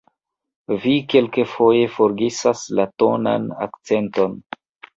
Vi kelkafoje forgesas la tonan akcenton.